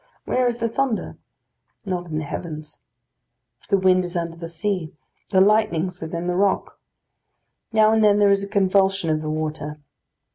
Where is the thunder? Not in the heavens. The wind is under the sea; the lightnings within the rock. Now and then there is a convulsion of the water.